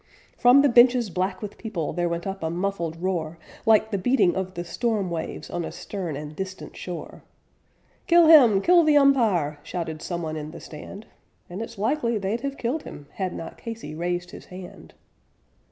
From the benches, black with people, there went up a muffled roar, Like the beating of the storm waves on a stern and distant shore; "Kill him! Kill the umpire!" shouted some one in the stand. And it's likely they'd have killed him had not Casey raised his hand.